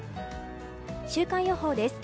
週間予報です。